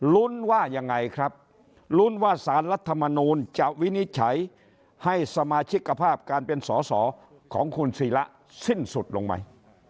ลุ้นว่ายังไงครับลุ้นว่าสารรัฐมนูลจะวินิจฉัยให้สมาชิกภาพการเป็นสอสอของคุณศิระสิ้นสุดลงไหม